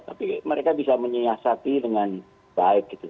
tapi mereka bisa menyiasati dengan baik gitu